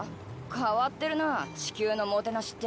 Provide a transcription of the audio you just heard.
変わってるな地球のもてなしってやつは。